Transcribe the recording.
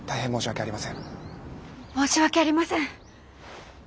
申し訳ありません。